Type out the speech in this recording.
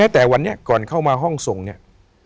ตรงเนี่ย